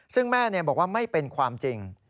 ซึ่งแม่บอกว่าไม่เป็นความจริง